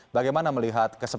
bagaimana melihat kesebaran